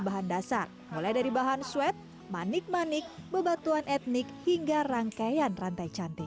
bahan dasar mulai dari bahan suet manik manik bebatuan etnik hingga rangkaian rantai cantik